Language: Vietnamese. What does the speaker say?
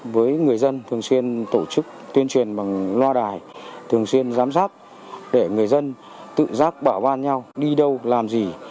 với người dân thường xuyên tổ chức tuyên truyền bằng loa đài thường xuyên giám sát để người dân tự giác bảo van nhau đi đâu làm gì